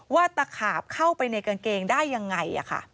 ว่าตะขาบเข้าไปในกางเกงได้อย่างไร